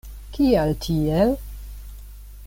Kial tiel?